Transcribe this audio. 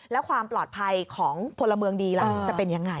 แล้วความปลอดภัยของพลเมืองดีล่ะจะเป็นยังไง